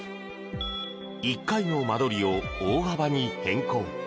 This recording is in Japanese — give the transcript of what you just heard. １階の間取りを大幅に変更。